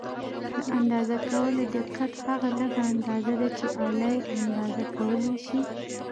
د اندازه کولو دقت هغه لږه اندازه ده چې آله یې اندازه کولای شي.